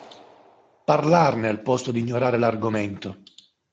Parlarne al posto di ignorare l'argomento.